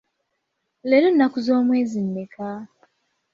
Leero nnaku z'omwezi mmeka?